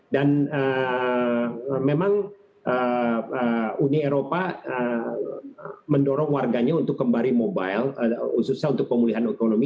memang uni eropa mendorong warganya untuk kembali mobile khususnya untuk pemulihan ekonomi